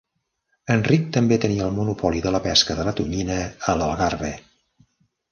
Enric també tenia el monopoli de la pesca de la tonyina a l'Algarve.